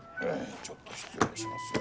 ちょっと失礼しますよ。